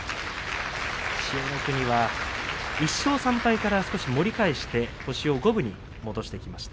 千代の国は１勝３敗から少し盛り返して星を五分に戻してきました。